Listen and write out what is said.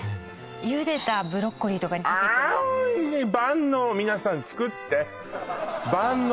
茹でたブロッコリーとかにかけてもああおいしい万能皆さん作って万能